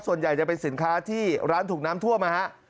ส่วนใหญ่จะเป็นสินค้าที่ร้านถูกน้ำท่วมนะฮะ